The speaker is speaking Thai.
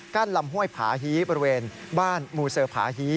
กั้นลำห้วยผาฮีบริเวณบ้านมูเสอผาฮี